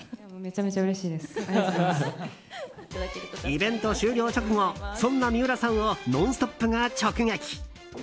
イベント終了直後そんな三浦さんを「ノンストップ！」が直撃。